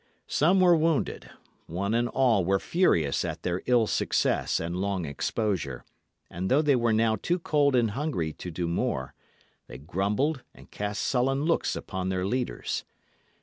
Some were wounded; one and all were furious at their ill success and long exposure; and though they were now too cold and hungry to do more, they grumbled and cast sullen looks upon their leaders.